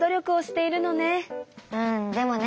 うんでもね